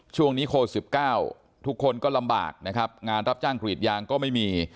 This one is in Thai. ช่วงนี้โค้ด๑๙ทุกคนก็ลำบากงานรับจ้างผลิตยางก็ไม่มี